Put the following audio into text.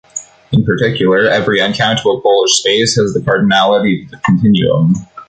In particular, every uncountable Polish space has the cardinality of the continuum.